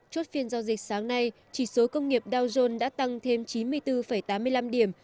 chốt phiên giao dịch sáng nay chỉ số công nghiệp dow jones đã tăng thêm chín mươi bốn tám mươi năm điểm